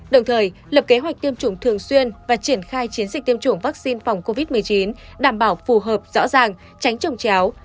đồng thời lập kế hoạch tiêm chủng thường xuyên và triển khai chiến dịch tiêm chủng vaccine phòng covid một mươi chín đảm bảo phù hợp rõ ràng tránh trồng chéo